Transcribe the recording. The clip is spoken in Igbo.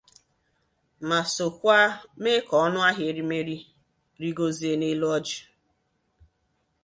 ma sokwa mee ka ọnụahị erimeri rịgozie n'elu ọjị